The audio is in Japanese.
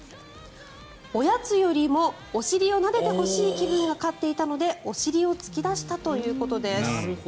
おやつよりもお尻をなでてほしい気分が勝っていたのでお尻を突き出したということです。